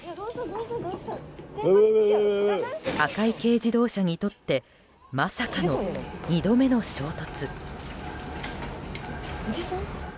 赤い軽自動車にとってまさかの２度目の衝突。